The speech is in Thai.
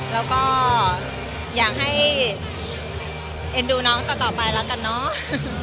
แล้วก็อยากให้เอ็นดูน้องต่อไปแล้วกันเนาะ